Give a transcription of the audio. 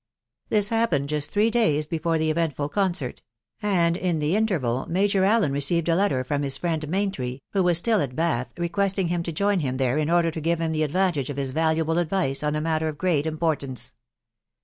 This happened just three days lpefore the eventful concert ; and in the interval Major Allen received a letter from his friend Maintry, who was still at vBath, requesting him to join him there in order to give him the advantage of his valuable advice on a matter of great importance.